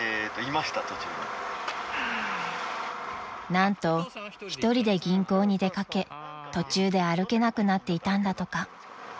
［何と一人で銀行に出掛け途中で歩けなくなっていたんだとか］